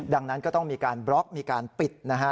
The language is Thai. ดังนั้นก็ต้องมีการบล็อกมีการปิดนะฮะ